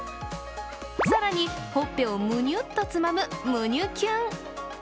更に、ほっぺをむにゅっとつまむむにゅキュン。